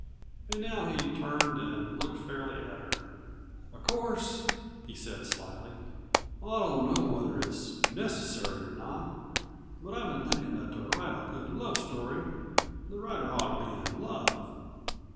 And now he turned and looked fairly at her. "Of course," he said slyly, "I don't know whether it's necessary or not, but I've been thinkin' that to write a good love story the writer ought to be in love.